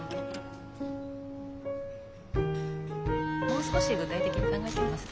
もう少し具体的に考えてみます。